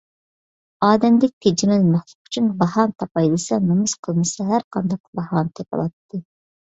ئادەمدەك تىجىمەل مەخلۇق ئۈچۈن باھانە تاپاي دېسە، نومۇس قىلمىسا ھەرقانداق باھانە تېپىلاتتى.